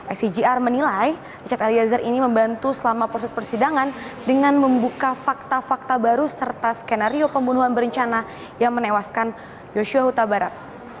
icgr menilai richard eliezer ini membantu selama proses persidangan dengan membuka fakta fakta baru serta skenario pembunuhan berencana yang menewaskan yosua huta barat